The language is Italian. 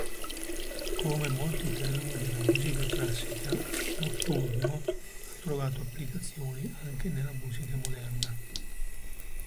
Come molti termini della musica classica, "notturno" ha trovato applicazioni anche nella musica moderna.